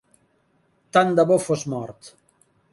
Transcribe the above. Tant de bo fos mort!